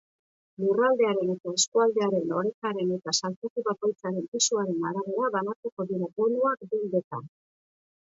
Lurraldearen eta eskualdearen orekaren eta saltoki bakoitzaren pisuaren arabera banatuko dira bonuak dendetan.